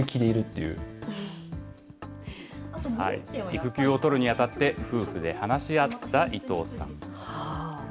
育休を取るにあたって、夫婦で話し合った伊藤さん。